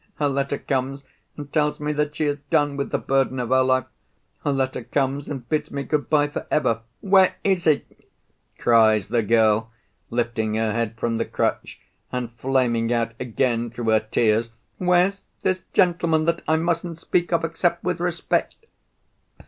Her letter comes and tells me that she has done with the burden of her life. Her letter comes, and bids me good bye for ever. Where is he?" cries the girl, lifting her head from the crutch, and flaming out again through her tears. "Where's this gentleman that I mustn't speak of, except with respect?